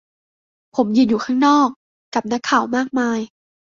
ผมยืนอยู่ข้างนอก กับนักข่าวมากมาย